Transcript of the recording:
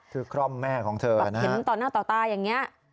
คือคร่อมแม่ของเธอเห็นต่อหน้าต่อตาอย่างนี้